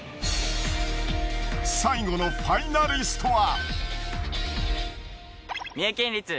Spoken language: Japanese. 最後のファイナリストは。